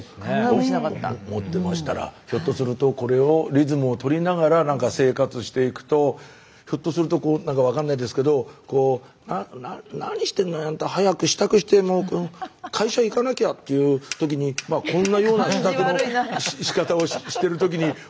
考えもしなかった。と思ってましたらひょっとするとこれをリズムをとりながら生活していくとひょっとするとこうなんか分かんないですけどなな何してんのよあんた早く支度してもう会社行かなきゃっていう時にこんなような支度のしかたをしてる時に。